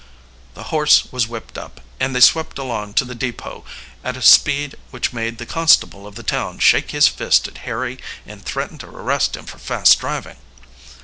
The horse was whipped up, and they swept along to the depot at a speed which made the constable of the town shake his fist at Harry and threaten to arrest him for fast driving.